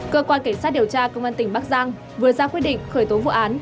cơ quan cảnh sát điều tra công an tỉnh bắc giang vừa ra quyết định khởi tố vụ án